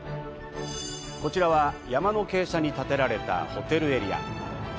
こちらは山の傾斜に建てられたホテルエリア。